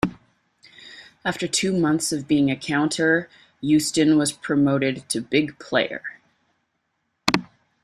After two months of being a counter, Uston was promoted to "Big Player".